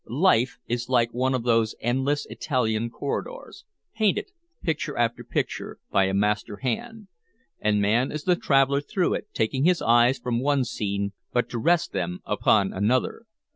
Life is like one of those endless Italian corridors, painted, picture after picture, by a master hand; and man is the traveler through it, taking his eyes from one scene but to rest them upon another.